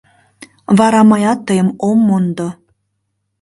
Вара мыят тыйым ом мондо.